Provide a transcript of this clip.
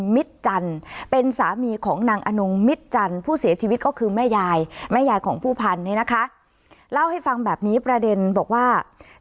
มิตรจันทร์เป็นสามีของนางอนงมิตจันทร์ผู้เสียชีวิตก็คือแม่ยายแม่ยายของผู้พันธุ์เนี่ยนะคะเล่าให้ฟังแบบนี้ประเด็นบอกว่า